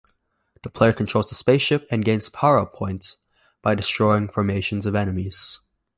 The player controls a spaceship and gains power-up points by destroying formations of enemies.